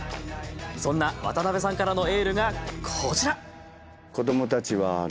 そんな渡辺さんからのエールがこちら。